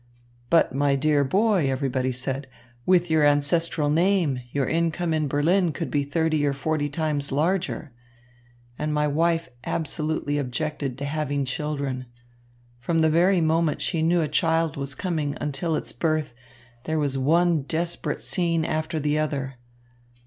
'But, my dear boy,' everybody said, 'with your ancestral name, your income in Berlin could be thirty or forty times larger.' And my wife absolutely objected to having children. From the very moment she knew a child was coming until its birth, there was one desperate scene after the other.